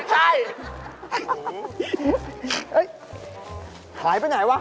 ฉายไปไหนวะ